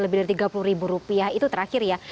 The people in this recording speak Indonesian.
lebih dari tiga puluh ribu rupiah itu terakhir ya